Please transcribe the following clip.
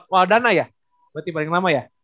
waldana ya berarti paling lama ya